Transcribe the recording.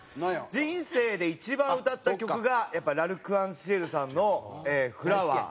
人生で一番歌った曲がやっぱＬ’ＡｒｃｅｎＣｉｅｌさんの『ｆｌｏｗｅｒ』。